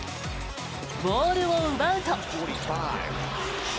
ボールを奪うと。